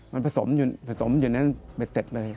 มันผสมอยู่ในนั้นเป็นเสร็จเลย